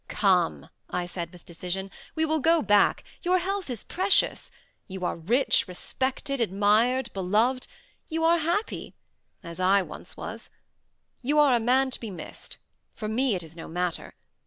"Come," I said, with decision, "we will go back; your health is precious. You are rich, respected, admired, beloved; you are happy, as once I was. You are a man to be missed. For me it is no matter.